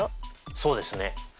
そうですね。